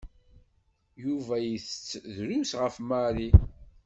Yuba itett drus ɣef Mary.